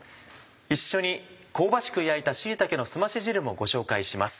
一緒に香ばしく焼いた椎茸のすまし汁もご紹介します。